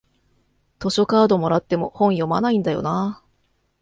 図書カードもらっても本読まないんだよなあ